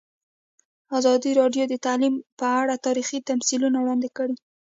ازادي راډیو د تعلیم په اړه تاریخي تمثیلونه وړاندې کړي.